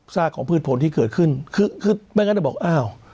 ซากของพืชผลที่เกิดขึ้นไม่งั้นแบบอ้าว